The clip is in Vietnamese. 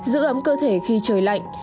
giữ ấm cơ thể khi trời lạnh